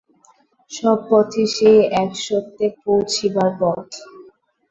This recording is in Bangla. সব পথই সেই একসত্যে পৌঁছিবার পথ।